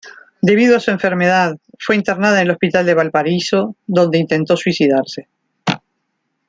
Debido a su enfermedad fue internada en el Hospital de Valparaíso, donde intentó suicidarse.